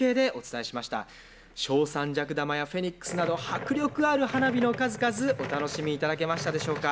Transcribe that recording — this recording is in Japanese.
正三尺玉やフェニックスなど迫力ある花火の数々お楽しみいただけましたでしょうか？